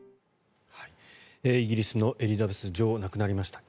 イギリスのエリザベス女王亡くなりました。